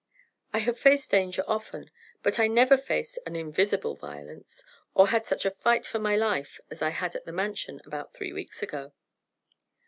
"I have faced danger often, but I never faced an invisible violence, or had such a fight for my life as I had at the Mansion about three weeks ago."